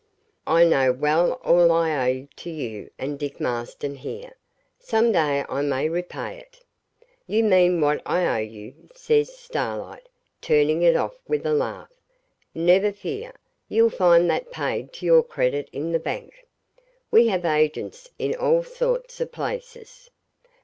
'I know well all I owe to you and Dick Marston here. Some day I may repay it.' 'You mean what I owe you,' says Starlight, turning it off with a laugh. 'Never fear, you'll find that paid to your credit in the bank. We have agents in all sorts of places.